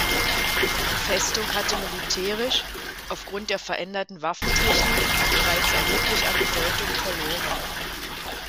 Die Festung hatte militärisch, aufgrund der veränderten Waffentechnik, bereits erheblich an Bedeutung verloren.